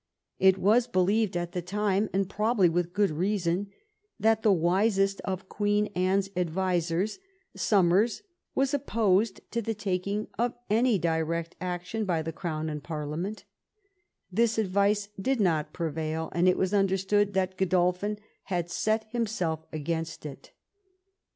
It was believed at the time, and probably with good reason, that the wisest of Queen Anne's advisers, Somers, was opposed to the taking of any direct action by the crown and Parliament This advice did not prevail, and it was understood that Godolphin had set himself against it.